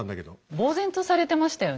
ぼう然とされてましたよね